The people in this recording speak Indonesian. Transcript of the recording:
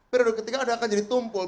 periode ketiga anda akan jadi tumpul